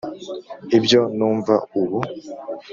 ibyo numva ubu.